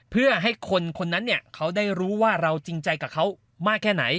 เพื่อให้คนคนนั้นเขาได้รู้ว่าเราจริงใจกับเขามากแค่ไหน